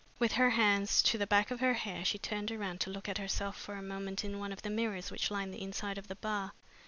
With her hands to the back of her hair she turned round to look at herself for a moment in one of the mirrors which lined the inside of the bar.